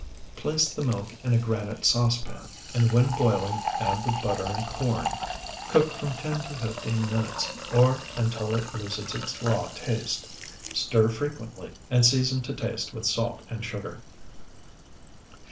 Place the milk in a granite saucepan, and when boiling, add the butter and corn; cook from ten to fifteen minutes, or until it loses its raw taste. Stir frequently, and season to taste with salt and sugar.